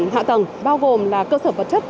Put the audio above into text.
hạ tầng bao gồm là cơ sở vật chất